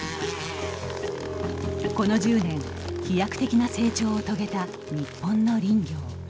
この１０年飛躍的な成長を遂げた日本の林業。